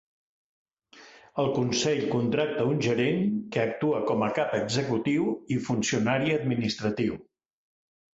El consell contracta un gerent, que actua com a cap executiu i funcionari administratiu.